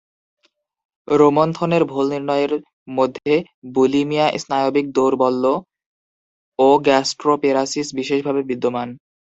রোমন্থনের ভুল নির্ণয়ের মধ্যে বুলিমিয়া স্নায়বিক দৌর্বল্য ও গ্যাস্ট্রোপেরাসিস বিশেষভাবে বিদ্যমান।